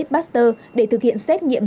pasteur để thực hiện xét nghiệm